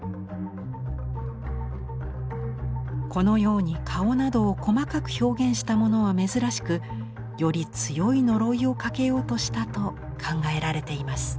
このように顔などを細かく表現したものは珍しくより強い呪いをかけようとしたと考えられています。